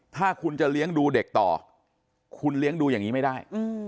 ถ้าคุณจะเลี้ยงดูเด็กต่อคุณเลี้ยงดูอย่างนี้ไม่ได้